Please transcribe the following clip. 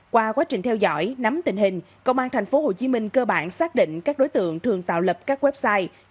qua quá trình theo dõi nắm tình hình công an tp hcm cơ bản xác định các đối tượng thường tạo lập các website